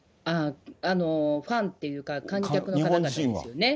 ファンというか、観客の方々ですよね。